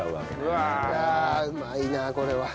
ああうまいなこれは。